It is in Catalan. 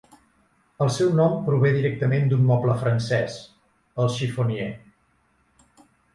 El seu nom prové directament d'un moble francès, el "chiffoniere".